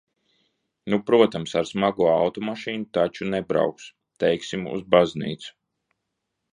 Nu, protams, ar smago automašīnu taču nebrauks, teiksim, uz baznīcu!